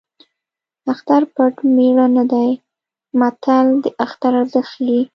اختر پټ مېړه نه دی متل د اختر ارزښت ښيي